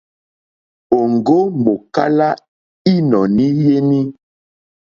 Òŋɡó mòkálá ínɔ̀ní jéní.